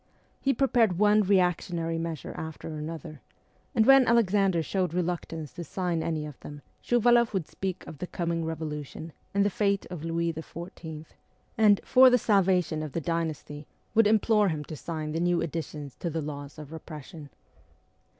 He prepared one reactionary measure after another, and when Alexander showed reluctance to sign any of them Shuvaloff would speak of the coming revolution and the fate of Louis XVI., 24 MEMOIRS OF A REVOLUTIONIST and, ' for the salvation of the dynasty,' would implore him to sign the new additions to the laws of repression.